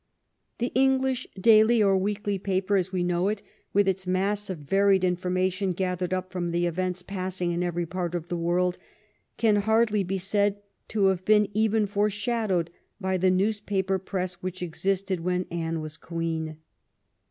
The English daily or weekly paper as we know it, with its mass of varied information gathered up from the events passing in every part of the world, can hardly be said to have been even foreshadowed by the newspaper press which existed when Anne was queen.